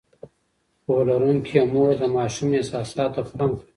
پوهه لرونکې مور د ماشوم احساساتو ته پام کوي.